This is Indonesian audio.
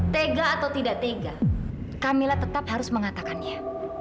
tega atau tidak tega camilla tetap harus mengatakannya